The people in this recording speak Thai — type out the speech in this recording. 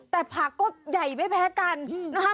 แต่ผักก็ใหญ่ไม่แพ้กันนะคะ